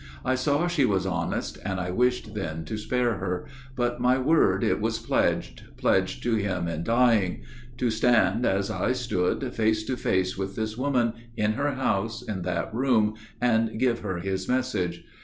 I saw she was honest, and I wished then to spare her, But my word it was pledged, pledged to him in dying, To stand as I stood, face to face with this woman, In her house, in that room, and give her his message.